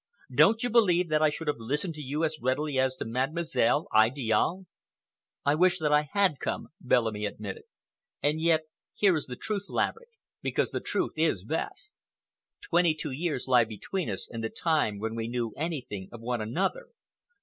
Don't you believe that I should have listened to you as readily as to Mademoiselle Idiale?" "I wish that I had come," Bellamy admitted, "and yet, here is the truth, Laverick, because the truth is best. Twenty two years lie between us and the time when we knew anything of one another.